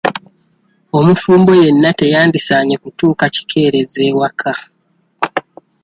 Omufumbo yenna teyandisaanye kutuuka kikeerezi ewaka.